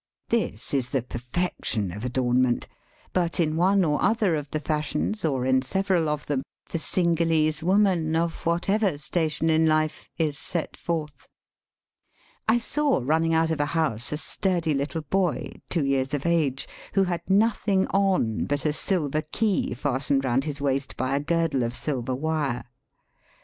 This is the perfection of adornment ; but in one or other of the fashions, or in several of them, the Cingalese woman, of whatever station in life, is set forth. I saw running out of a house a sturdy little boy, two years of age, who had nothing on but a silver key fastened round his waist by a girdle of silver wire.